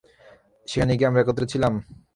সেখানে কি আমরা একত্রে ছিলাম?